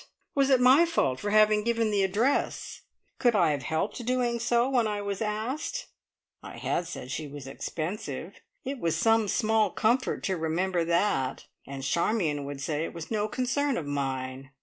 Was it my fault for having given the address? Could I have helped doing so, when I was asked? I had said she was expensive. It was some small comfort to remember that, and Charmion would say it was no concern of mine.